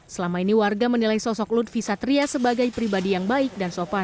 selama ini warga menilai sosok lutfi satria sebagai pribadi yang baik dan sopan